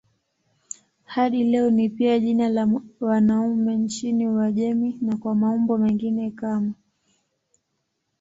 Hadi leo ni pia jina la wanaume nchini Uajemi na kwa maumbo mengine kama